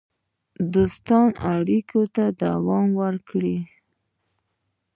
دوستانه اړیکې دوام وکړي.